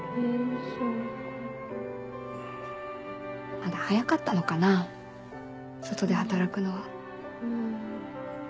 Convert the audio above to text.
まだ早かったのかな外で働くのは。